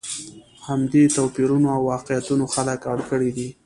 همدې توپیرونو او واقعیتونو خلک اړ کړي دي.